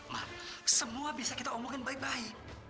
nah semua bisa kita omongin baik baik